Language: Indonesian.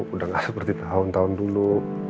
udah gak seperti tahun tahun dulu